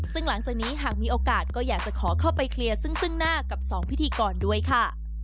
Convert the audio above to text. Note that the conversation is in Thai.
ซึ่งหลังจากนี้หากมีโอกาสก็อยากจะขอเข้าไปเคลียร์ซึ่งหน้ากับ๒พิธีกรด้วยค่ะ